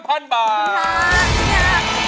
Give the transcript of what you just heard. ขอบคุณค่ะ